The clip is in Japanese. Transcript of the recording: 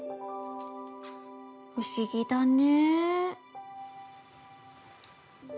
不思議だね。